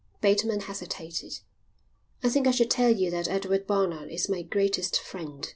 Bateman hesitated. "I think I should tell you that Edward Barnard is my greatest friend.